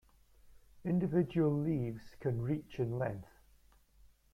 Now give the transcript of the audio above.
Individual leaves can reach in length.